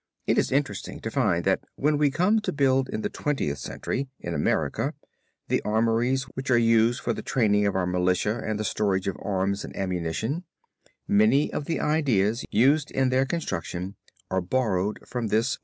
It is interesting to find that when we come to build in the Twentieth Century in America, the armories which are to be used for the training of our militia and the storage of arms and ammunition, many of the ideas used in their construction are borrowed from this olden time.